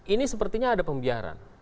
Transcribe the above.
ini sepertinya ada pembiaran